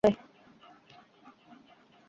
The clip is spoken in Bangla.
ফলে তা-ই হয়।